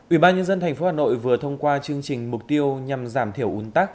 ủy ban nhân dân tp hà nội vừa thông qua chương trình mục tiêu nhằm giảm thiểu uốn tắc